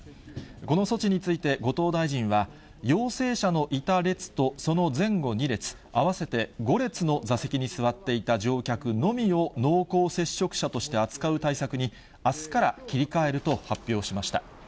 この措置について後藤大臣は、陽性者のいた列とその前後２列、合わせて５列の座席に座っていた乗客のみを濃厚接触者として扱う対策に、あすから切り替えると発表しました。